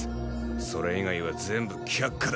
それ以外は全部却下だ！